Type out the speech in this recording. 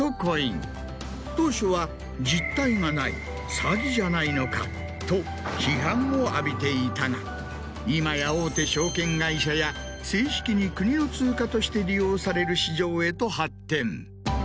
当初は。と批判を浴びていたが今や大手証券会社や正式に国の通貨として利用される市場へと発展。